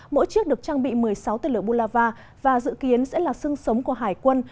mỗi chiếc được trang bị một mươi sáu tên lửa bulava và dự kiến sẽ là sưng sống của hải quân